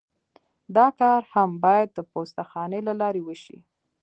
دا کار هم باید د پوسته خانې له لارې وشي